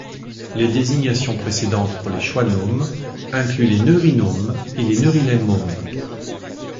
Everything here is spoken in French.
Les désignations précédentes pour les schwannomes incluent les neurinomes et les neurilemmomes.